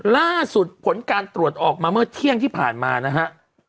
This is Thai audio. ล่าสุดผลการตรวจออกมาเมื่อเที่ยงที่ผ่านมานะฮะ